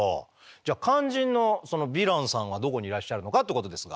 じゃあ肝心のそのヴィランさんはどこにいらっしゃるのかってことですが。